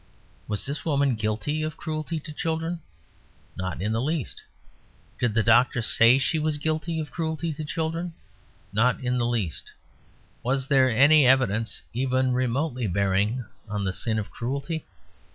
Was this woman guilty of cruelty to children? Not in the least. Did the doctor say she was guilty of cruelty to children? Not in the least. Was these any evidence even remotely bearing on the sin of cruelty?